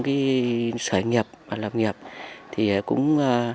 cái sở hữu nghiệp và lập nghiệp thì cũng